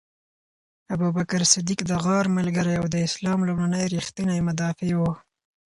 ابوبکر صدیق د غار ملګری او د اسلام لومړنی ریښتینی مدافع و.